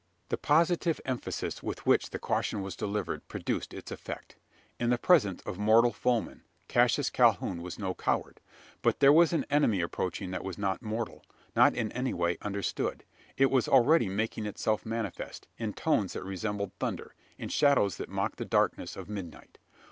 The positive emphasis with which the caution was delivered produced its effect. In the presence of mortal foeman, Cassius Calhoun was no coward. But there was an enemy approaching that was not mortal not in any way understood. It was already making itself manifest, in tones that resembled thunder in shadows that mocked the darkness of midnight.